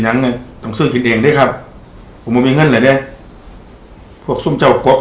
ยังต้องซื้อกินเองด้วยครับผมไม่มีเงินเลยเนี้ยพวกซุ่มเจ้าก๊อก